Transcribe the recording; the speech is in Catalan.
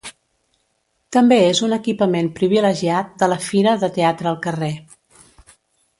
També és un equipament privilegiat de la Fira de Teatre al Carrer.